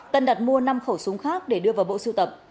tân đặt mua năm khẩu súng khác để đưa vào bộ siêu tập